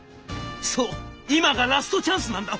そう今がラストチャンスなんだ。